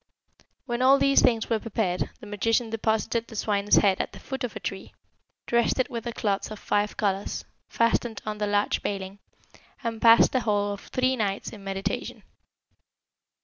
When all these things were prepared, the magician deposited the swine's head at the foot of a tree, dressed it with the cloths of five colours, fastened on the large baling, and passed the whole of three nights in meditation.